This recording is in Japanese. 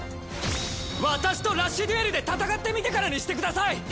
私とラッシュデュエルで戦ってみてからにしてください！